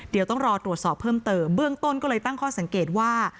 เดี๋ยวต้องรอตรวจสอบเพิ่มเติมเบื้องต้นก็เลยตั้งข้อสังเกตว่า